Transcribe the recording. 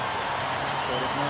そうですね。